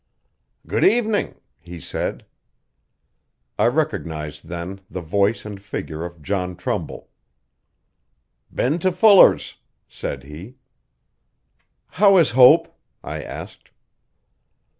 'Good evening!' he said. I recognised then the voice and figure of John Trumbull. 'Been to Fuller's,' said he. 'How is Hope?' I asked.